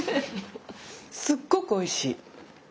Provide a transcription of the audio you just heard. すっごくおいしい。